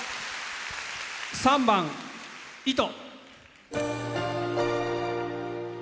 ３番「糸」。